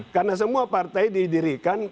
karena semua partai didirikan